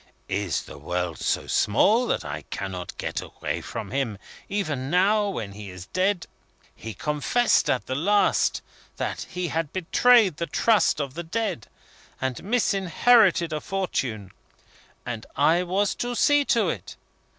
Is the world so small that I cannot get away from him, even now when he is dead? He confessed at the last that he had betrayed the trust of the dead, and misinherited a fortune. And I was to see to it.